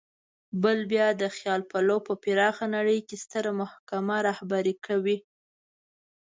بل بیا د خیال پلو په پراخه نړۍ کې ستره محکمه رهبري کوي.